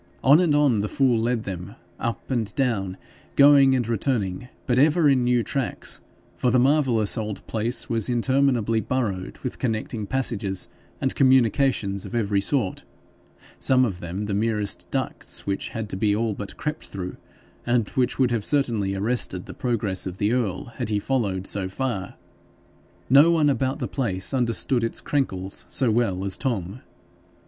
On and on the fool led them, up and down, going and returning, but ever in new tracks, for the marvellous old place was interminably burrowed with connecting passages and communications of every sort some of them the merest ducts which had to be all but crept through, and which would have certainly arrested the progress of the earl had he followed so far: no one about the place understood its "crenkles" so well as Tom.